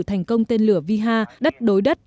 thành công tên lửa viha đất đối đất